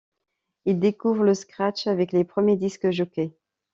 Il découvre le Scratch avec les premiers Disc jockey.